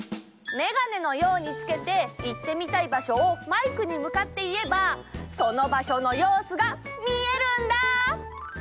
メガネのようにつけていってみたい場所をマイクにむかっていえばその場所のようすがみえるんだ！